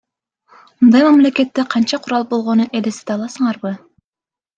Мындай мамлекетте канча курал болгонун элестете аласыңарбы?